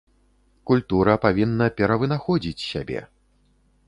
Культура павінна перавынаходзіць сябе.